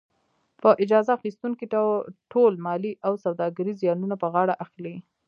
په اجاره اخیستونکی ټول مالي او سوداګریز زیانونه په غاړه اخلي.